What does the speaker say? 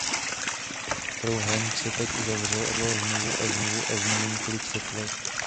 Trojúhelník se tak uzavřel a pokračoval znovu a znovu několik set let.